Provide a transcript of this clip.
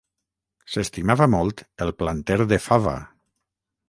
S'estimava molt el planter de fava.